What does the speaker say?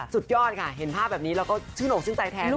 สุดยอดค่ะเห็นภาพแบบนี้เราก็ชื่นอกชื่นใจแทน